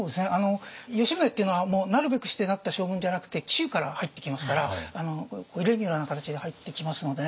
吉宗っていうのはなるべくしてなった将軍じゃなくて紀州から入ってきますからイレギュラーな形で入ってきますのでね。